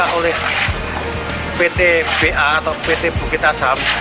yang diminta oleh pt ba atau pt bukit asam